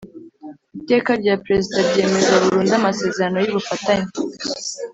Iteka rya Perezida ryemeza burundu amasezerano y ubufatanye